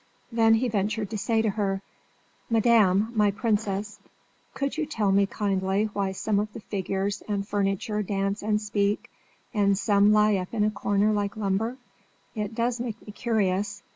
Then he ventured to say to her: "Madame my princess, could you tell me kindly why some of the figures and furniture dance and speak, and some lie up in a corner like lumber? It does make me curious.